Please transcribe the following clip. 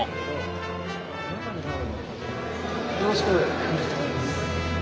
よろしく。